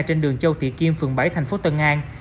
trên đường châu tị kim phường bảy thành phố tân an